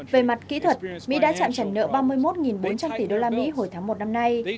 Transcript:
về mặt kỹ thuật mỹ đã chạm trần nợ ba mươi một bốn trăm linh tỷ đô la mỹ hồi tháng một năm nay